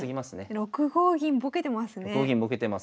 ６五銀ぼけてますね。